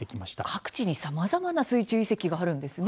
各地にさまざまな水中遺跡があるんですね。